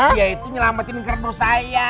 dia itu nyelamatin kerdu saya